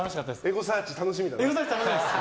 エゴサーチ楽しみだね。